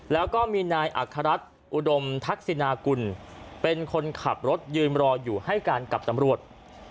แล้วก็มีนายอัครรัฐอุดมทักษินากุลเป็นคนขับรถยืนรออยู่ให้การกับตำรวจ